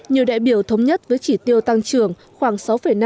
nhiều đại biểu thống nhất với chỉ tiêu tăng trưởng khoảng sáu năm sáu bảy